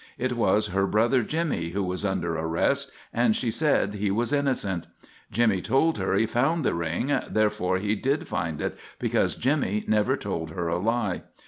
It was her brother, Jimmy, who was under arrest, and she said he was innocent. Jimmy told her he found the ring, therefore he did find it, because Jimmy never told her a lie.